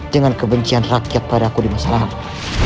dengan kebencian rakyat padaku di masalahmu